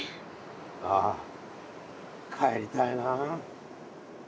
ああ帰りたいなあ。